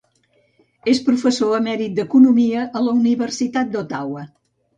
És professor emèrit d'economia a la Universitat d'Ottawa.